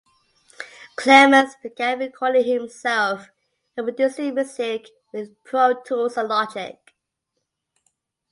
Clemons began recording himself and producing music with Pro Tools and Logic.